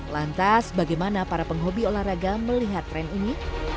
lantas bagaimana para penghobi olahraga melihat tren ini